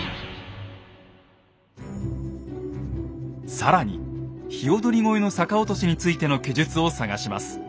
更に鵯越の逆落としについての記述を探します。